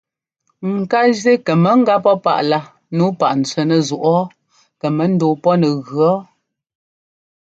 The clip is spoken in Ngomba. Ŋ ká zí kɛ mɔ gá pɔ́ páꞌlá nǔu páꞌ n tswɛ́nɛ́ zúꞌɔɔ kɛ mɔ ńdɔɔ pɔ́ nɛ gʉ ɔ́ɔ.